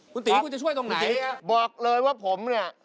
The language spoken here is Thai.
คุณตี๋คุณจะช่วยตรงไหนคุณตี๋บอกเลยว่าผมนี่